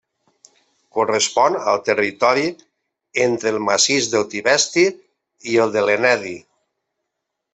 Correspon al territori entre el massís del Tibesti i el de l'Ennedi.